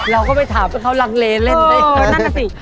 เราก็ไปถามเขาลังเลเล่นได้